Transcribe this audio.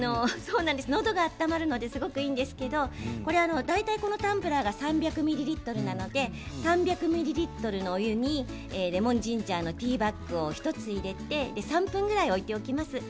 のどが温まるのですごくいいんですけれども大体このタンブラーが３００ミリリットルなので３００ミリリットルのお湯にレモンジンジャーのティーバッグを１つ入れて３分ぐらい置いておきます。